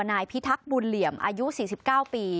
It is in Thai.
นายพิทักษ์บุญเหลี่ยมอายุ๔๙ปี